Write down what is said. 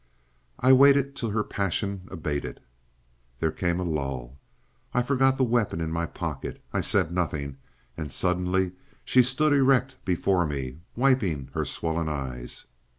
I waited till her passion abated. There came a lull. I forgot the weapon in my pocket. I said nothing, and suddenly she stood erect before me, wiping her swollen eyes.